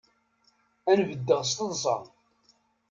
Ad n-beddeɣ s teḍsa.